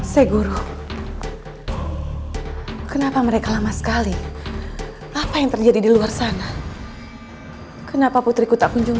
seguru kenapa mereka lama sekali apa yang terjadi di luar sana kenapa putriku tak kunjung